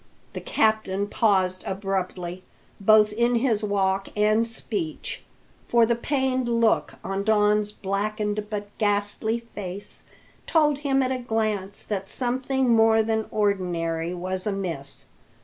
The captain paused abruptly, both in his walk and speech, for the pained look on Don's blackened but ghastly face told him at a glance that something more than ordinary was amiss.